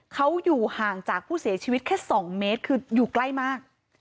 เขาอยู่ห่างจากผู้เสียชีวิตแค่๒เมตรคืออยู่ใกล้มาก